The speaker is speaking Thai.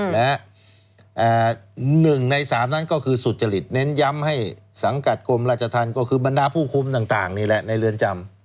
หนึ่งในสามนั้นก็คือสุจริตเน้นย้ำให้สังกัดกรมราชธรรมก็คือบรรดาผู้คุมต่างนี่แหละในเรือนจำ